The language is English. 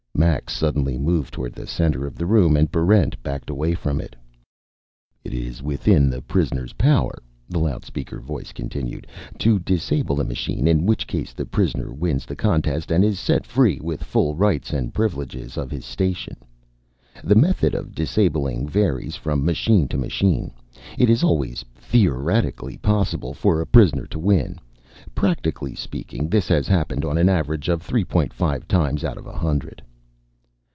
Max suddenly moved toward the center of the room, and Barrent backed away from it. "It is within the prisoner's power," the loudspeaker voice continued, "to disable the machine; in which case, the prisoner wins the contest and is set free with full rights and privileges of his station. The method of disabling varies from machine to machine. It is always theoretically possible for a prisoner to win. Practically speaking, this has happened on an average of 3.5 times out of a hundred."